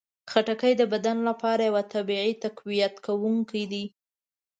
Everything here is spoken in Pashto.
خټکی د بدن لپاره یو طبیعي تقویت کوونکی دی.